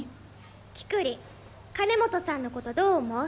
キクリン金本さんのことどう思う？